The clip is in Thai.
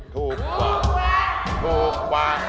ถูกกว่าถูกกว่า